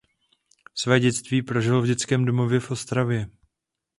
Své dětství prožil v dětském domově v Ostravě.